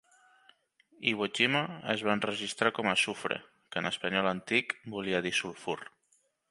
Iwo Jima es va enregistrar com a Sufre, que en espanyol antic volia dir sulfur.